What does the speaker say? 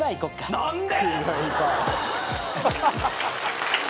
何で！？